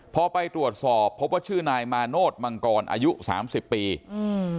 พอไปตรวจสอบพบว่าชื่อนายมาโนธมังกรอายุสามสิบปีอืม